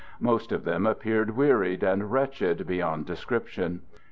Most of them appeared wearied and wretched beyond description.